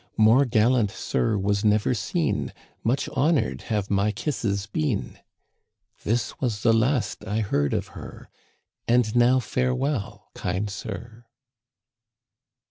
More gallant sir was never seen ; Much honored have my kisses been." (This was the last I heard of her) '* And now farewell, kind sir."